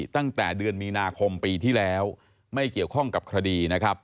ตั้งแต่เดือนมีนาคมปีที่แล้วไม่เกี่ยวข้องกับคดีนะครับ